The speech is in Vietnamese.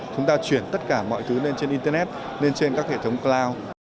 chúng ta chuyển tất cả mọi thứ lên trên internet lên trên các hệ thống cloud